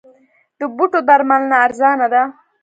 د بوټو درملنه ارزانه ده؟